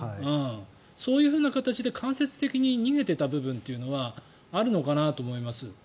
そういうふうな形で間接的に逃げてた部分というのはあるのかなと思います。